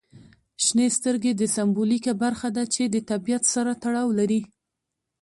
شنې سترګې د سمبولیکه برخه ده چې د طبیعت سره تړاو لري.